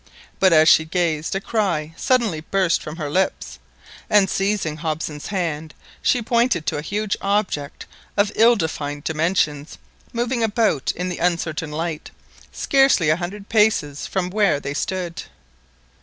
But as she gazed a cry suddenly burst from her lips, and seizing Hobson's hand, she pointed to a huge object, of ill defined dimensions, moving about in the uncertain light, scarcely a hundred paces from where they stood.